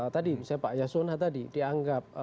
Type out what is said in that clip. tadi misalnya pak yasona tadi dianggap